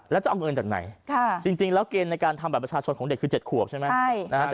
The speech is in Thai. แล้วจะเอาเงินจากไหนจริงแล้วเกณฑ์ในการทำบัตรประชาชนของเด็กคือ๗ขวบใช่ไหม